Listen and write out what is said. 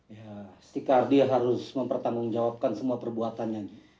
ya stikardia harus mempertanggungjawabkan semua perbuatannya